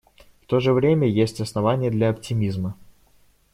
В то же время есть основания для оптимизма.